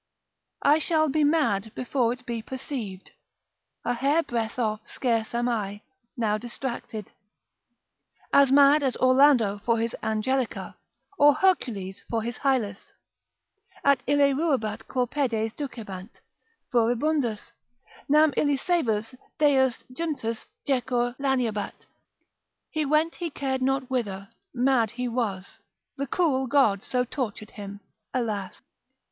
I shall be mad before it be perceived, A hair breadth off scarce am I, now distracted. As mad as Orlando for his Angelica, or Hercules for his Hylas, At ille ruebat quo pedes ducebant, furibundus, Nam illi saevus Deus jntus jecur laniabat. He went he car'd not whither, mad he was, The cruel God so tortured him, alas!